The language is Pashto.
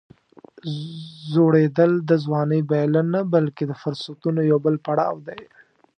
زوړېدل د ځوانۍ بایلل نه، بلکې د فرصتونو یو بل پړاو دی.